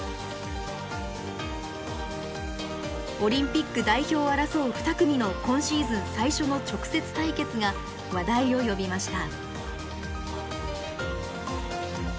オリンピック代表を争う２組の今シーズン最初の直接対決が話題を呼びました。